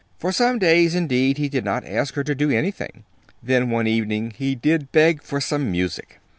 For some days, indeed, he did not ask her to do anything. Then, one evening, he did beg for some music.